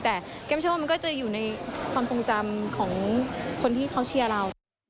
แต่แก้มเชื่อว่ามันก็จะอยู่ในความทรงจำของคนที่เขาเชียร์เรา